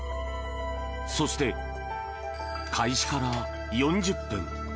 そして、開始から４０分。